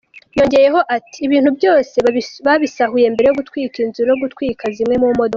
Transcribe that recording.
Yongeyeho ati " Ibintu byose babisahuye mbere yo gutwika inzu no gutwika zimwe mu modoka.